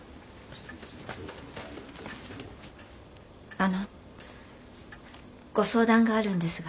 あのご相談があるんですが。